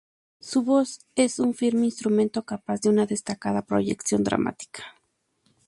Su voz es un firme instrumento capaz de una destacada proyección dramática.